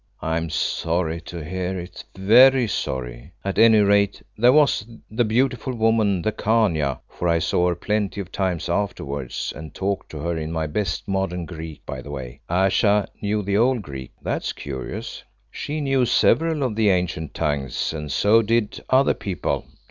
"I am sorry to hear it very sorry. At any rate there was the beautiful woman the Khania for I saw her plenty of times afterwards, and talked to her in my best modern Greek by the way, Ayesha knew the old Greek; that's curious." "She knew several of the ancient tongues, and so did other people.